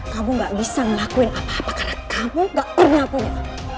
kamu gak bisa ngelakuin apa apa karena kamu gak pernah punya